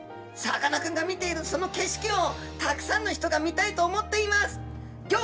さかなクンが見ている、その景色を、たくさんの人が見たいと思っています。